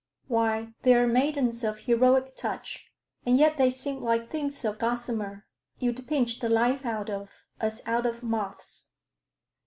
Why, there are maidens of heroic touch, And yet they seem like things of gossamer You'd pinch the life out of, as out of moths.